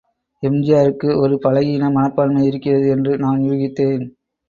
எம்.ஜி.ஆருக்கு ஒரு பலகீன மனப்பான்மை இருக்கிறது என்று நான் யூகித்தேன்.